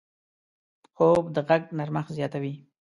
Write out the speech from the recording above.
خوب د غږ نرمښت زیاتوي